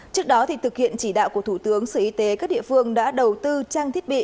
trước đó thực hiện chỉ đạo của thủ tướng sở y tế các địa phương đã đầu tư trang thiết bị